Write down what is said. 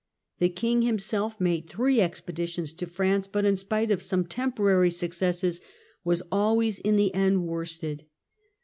The king himself made three expeditions to France, but in spite of some tempbrary successes was always in the end worsted.